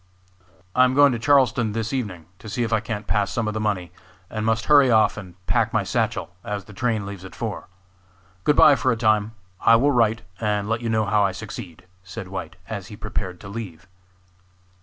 "I am going to Charleston this evening to see if I can't pass some of the money, and must hurry off and pack my satchel, as the train leaves at four. Good by for a time; I will write and let you know how I succeed," said White, as he prepared to leave.